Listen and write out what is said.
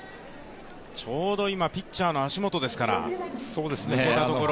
ちょうど今、ピッチャーの足元でしたから、抜けたところ。